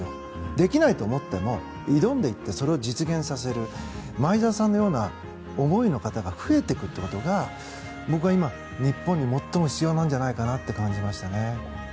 できないと思っても挑んでいってそれを実現させる前沢さんのような思いの方が増えていくということが僕は今、日本に最も必要じゃないかと感じました。